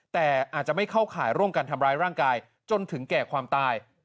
แต่อาจจะไม่เข้าข่ายร่วมกันทำร้ายร่างกายจนถึงแก่ความตาย